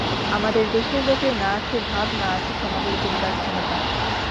আমাদের দেশের লোকের না আছে ভাব, না আছে সমাদর করিবার ক্ষমতা।